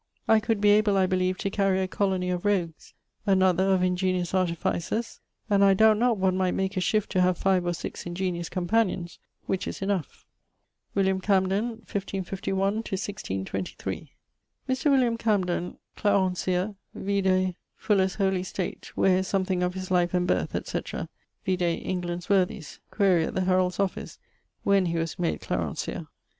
I could be able I believe to carry a colony of rogues; another, of ingeniose artificers; and I doubt not one might make a shift to have 5 or 6 ingeniose companions, which is enough. =William Camden= (1551 1623). Mr. William Camden, Clarencieux vide Fuller's Holy State where is something of his life and birth, etc.: vide England's Worthies: quaere at the Heralds' Office when he was made Clarencieux.